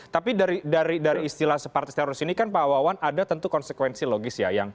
tapi dari istilah separtis teroris ini kan pak wawan ada tentu konsekuensi logis ya